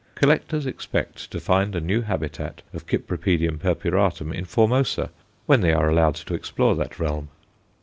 Collectors expect to find a new habitat of Cyp. purpuratum in Formosa when they are allowed to explore that realm.